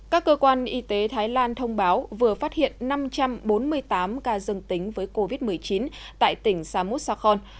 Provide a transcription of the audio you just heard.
các cơ quan y tế thái lan thông báo vừa phát hiện năm trăm bốn mươi tám ca dương tính với covid một mươi chín tại tỉnh samut sakon